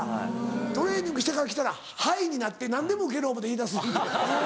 トレーニングしてから来たらハイになって何でもウケる思うて言いだすって。